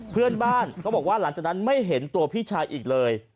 เพื่อนบ้านเขาบอกว่าหลังจากนั้นไม่เห็นตัวพี่ชายอีกเลย